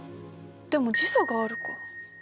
でも時差があるか。